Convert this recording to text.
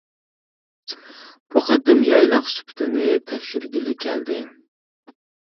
بۇ قېتىم يايلاق سۈپىتىنى تەكشۈرگىلى كەلدى.